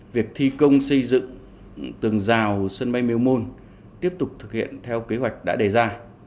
việc thi công xây dựng tường rào sân bay miêu môn tiếp tục thực hiện theo kế hoạch đã đề ra